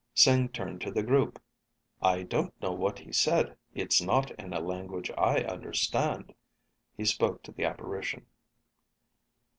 Sing turned to the group. "I don't know what he said. It's not in a language I understand." He spoke to the apparition.